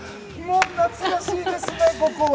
懐かしいですね、ここは。